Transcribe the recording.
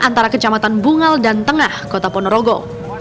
antara kecamatan bungal dan tengah kota ponorogo